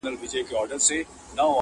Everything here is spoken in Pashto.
خو چي راغلې پر موږ کرونا ده!